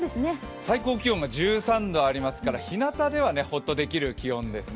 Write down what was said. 最高気温が１３度ありますから、日なたではほっとできる気温ですね。